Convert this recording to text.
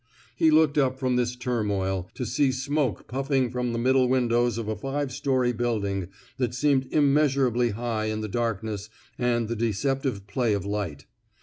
He looked up from this turmoil to see smoke puffing from the middle windows of a five story building that seemed immeasur ably high in the darkness and the deceptive play of light.